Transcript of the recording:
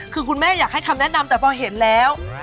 คือคุณแม่อยากให้คำแนะนำแต่พอเห็นแล้ว